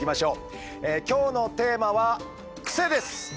今日のテーマは「クセ」です。